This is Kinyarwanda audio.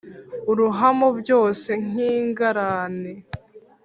Urahamo byose nk'ingarane